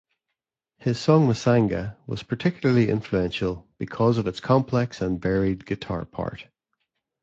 His song "Masanga" was particularly influential, because of its complex and varied guitar part.